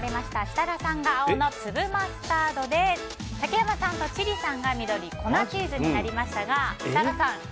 設楽さんが青の粒マスタードで竹山さんと千里さんが緑の粉チーズになりました。